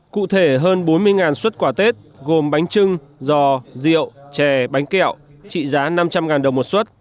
cụ thể hơn bốn mươi xuất quà tết gồm bánh trưng giò rượu chè bánh kẹo trị giá năm trăm linh đồng một xuất